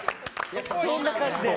そんな感じで！